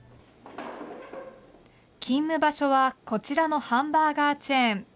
勤務場所はこちらのハンバーガーチェーン。